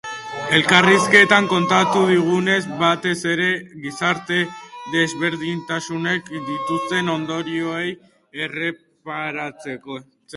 Elkarrizketan kontatu digunez, batez ere gizarte-desberdintasunek dituzten ondorioei erreparatzen die.